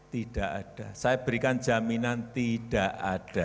tidak ada saya berikan jaminan tidak ada